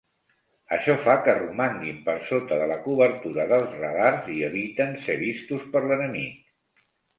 Això fa que romanguin per sota de la cobertura dels radars i eviten ser vistos per l'enemic.